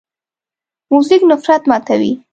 موزیک نفرت ماتوي.